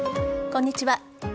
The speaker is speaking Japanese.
こんにちは。